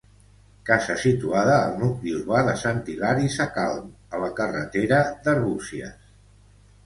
Casa situada al nucli urbà de Sant Hilari Sacalm, a la carretera d'Arbúcies.